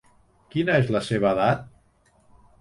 Quina és la seva edat?